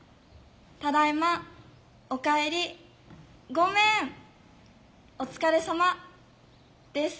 「ただいま」「おかえり」「ごめん」「お疲れさま」です。